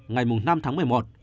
ngày năm tháng một mươi một